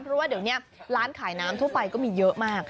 เพราะว่าเดี๋ยวนี้ร้านขายน้ำทั่วไปก็มีเยอะมาก